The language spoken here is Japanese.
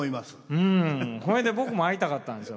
僕も会いたかったんですよ。